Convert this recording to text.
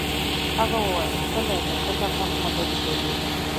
هغه ویل ښکلی دی بل رقم خبرې کوي